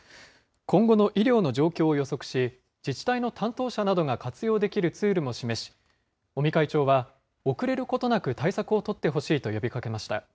今後の医療の状況を予測し、自治体の担当者などが活用できるツールも示し、尾身会長は、遅れることなく対策を取ってほしいと呼びかけました。